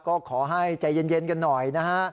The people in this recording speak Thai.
ก็ขอให้ใจเย็นกันหน่อยนะฮะ